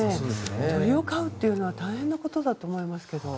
鳥を飼うというのは大変なことだと思いますけど。